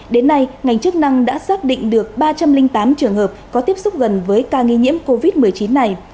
đến nay ngành chức năng đã xác định được ba trăm linh tám trường hợp có tiếp xúc gần với ca nghi nhiễm covid một mươi chín này